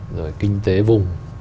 rồi kinh tế vùng